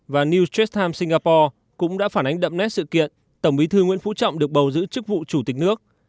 và new trace time singapore cũng đã phản ánh đậm nét sự kiện tổng bí thư nguyễn phú trọng được bầu giữ chức vụ chủ tịch nước